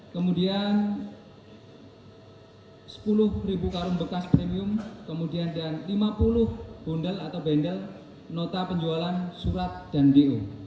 kemudian sepuluh karung bekas premium kemudian dan lima puluh bundel atau bendel nota penjualan surat dan do